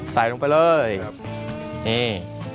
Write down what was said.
ใส่ลงไปเลยนี่